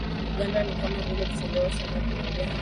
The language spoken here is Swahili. Uganda ni kama vile Kuchelewa sana kuingia